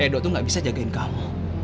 edo tuh gak bisa jagain kamu